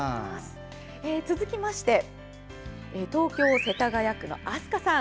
続きまして東京・世田谷区のあすかさん。